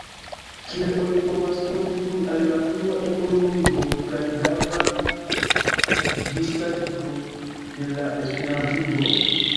Kiel oni povas kontribui al la plua evoluigo kaj daŭra ĝisdatigo de la esperantigo?